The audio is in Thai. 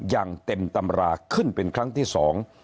อย่างเต็มตำราขึ้นเป็นครั้งที่สอง